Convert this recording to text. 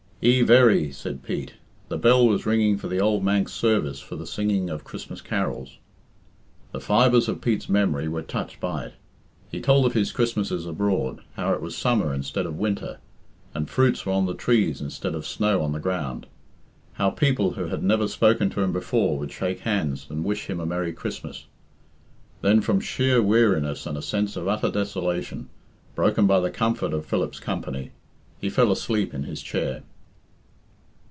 "Oiel Verree," said Pete. The bell was ringing for the old Manx service for the singing of Christmas carols. The fibres of Pete's memory were touched by it. He told of his Christmases abroad how it was summer instead of winter, and fruits were on the trees instead of snow on the ground how people who had never spoken to him before would shake hands and wish him a merry Christmas. Then from sheer weariness and a sense of utter desolation, broken by the comfort of Philip's company, he fell asleep in his chair.